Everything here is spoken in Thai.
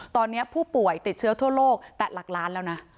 ตอนนี้ผู้ป่วยติดเชื้อทั่วโลกแต่หลักล้านแล้วนะ